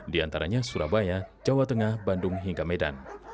diantaranya surabaya jawa tengah bandung hingga medan